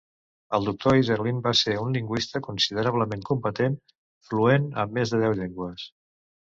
El Doctor Isserlin va ser un lingüista considerablement competent, fluent en més de deu llengües.